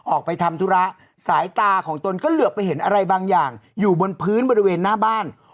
ออกไปทำธุระสายตาของตนก็เหลือไปเห็นอะไรบางอย่างอยู่บนพื้นบริเวณหน้าบ้าน